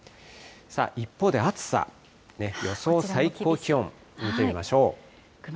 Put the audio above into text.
一方で暑さ、予想最高気温見てみましょう。